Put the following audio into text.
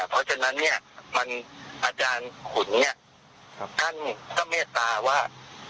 พอจนด้านนี้อาจารณ์ขุนก็เมชตาว่า